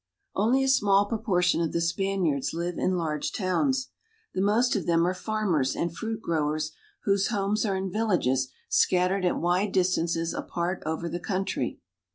ONLY a small proportion of the Spaniards live in large towns. The most of them are farmers and fruit growers whose homes are in villages scattered at wide dis tances apart over the country.